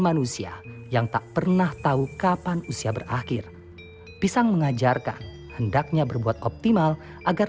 manusia yang tak pernah tahu kapan usia berakhir pisang mengajarkan hendaknya berbuat optimal agar